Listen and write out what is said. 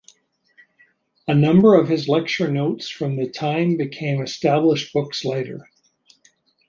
A number of his lecture notes from the time became established books later.